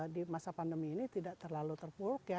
di masa pandemi ini tidak terlalu terpuruk ya